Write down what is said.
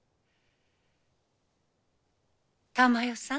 珠代さん。